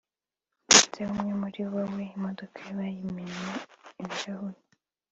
ndetse umwe muribo we imodoka ye bayimennye ibirahure